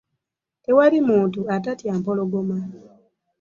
Tewali muntu atatya mpologoma.